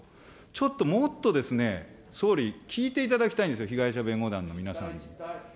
ちょっと、もっとですね、総理、聞いていただきたいんですよ、被害者弁護団の皆さんに。